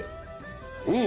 うん！